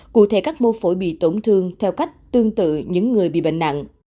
cụ thể các mô phổi bị tổn thương theo cách tương tự những người bị bệnh nặng